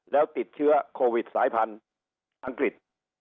แล้วติดเชื้อโควิดสายพันธุ์อังกฤษ